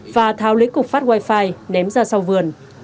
và thao lấy cục phát wifi ném ra sau vườn